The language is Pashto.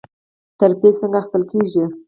ترفیع څنګه اخیستل کیږي؟